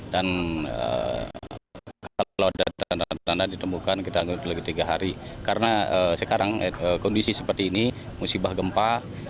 dan kalau ada tanda tanda ditemukan kita anggap lagi tiga hari karena sekarang kondisi seperti ini musibah gempa